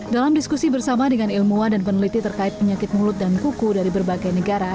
dalam diskusi bersama dengan ilmuwan dan peneliti terkait penyakit mulut dan kuku dari berbagai negara